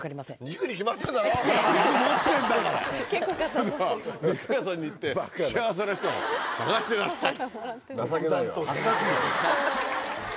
それでは肉屋さんに行って幸せな人を探してらっしゃい。